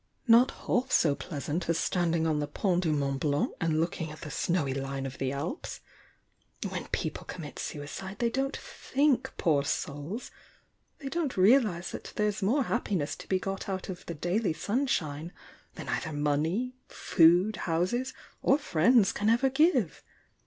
Not half so pleasant as standing on the Pont du Mont Blanc and looking at the snowy line of the Alps! When people commit suicide they don't think, poor souls!— they don't realise that there's more happiness to be got out of the daily sunshine than either money, food, houses, or friends can ever give!